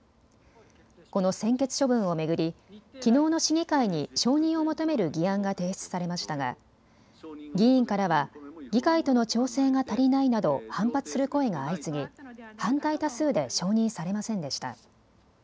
この専決処分を巡りきのうの市議会に承認を求める議案が提出されましたが議員からは議会との調整が足りないなど反発する声が相次ぎ反対多数で承認されませんでした。